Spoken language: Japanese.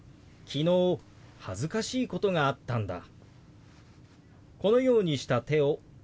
「昨日恥ずかしいことがあったんだ」。